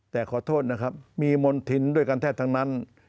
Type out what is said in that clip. แต่ขอโทษนะครับมีมณฑินด้วยกันแทบทั้งนั้น